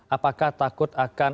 apakah takut akan